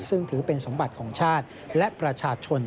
ซึ่งถือเป็นสมบัติของชาติและประชาชน